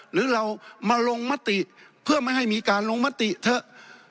หรือเรามาลงมติเพื่อไม่ให้มีการลงมติเถอะ